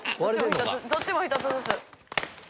どっちも１つずつ。